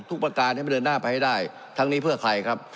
ประการให้มันเดินหน้าไปให้ได้ทั้งนี้เพื่อใครครับ